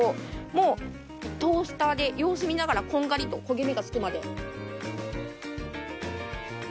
もうトースターで様子見ながらこんがりと焦げ目が付くまで。